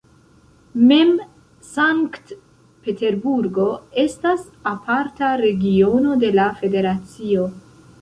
Mem Sankt-Peterburgo estas aparta regiono de la federacio.